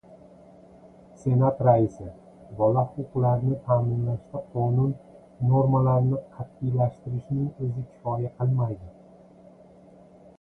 Senat raisi: Bola huquqlarini ta’minlashda qonun normalarini qat’iylashtirishning o‘zi kifoya qilmaydi